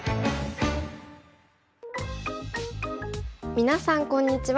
皆さんこんにちは。